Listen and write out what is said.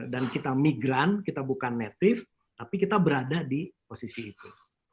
kita migran kita bukan native tapi kita berada di posisi itu